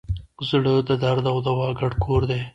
زړه د درد او دوا ګډ کور دی.